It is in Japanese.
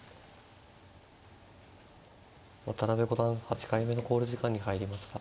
渡辺五段８回目の考慮時間に入りました。